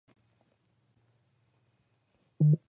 კარეტა აგებულია პალეოზოური გრანიტოიდებითა და კრისტალური ფიქლებით.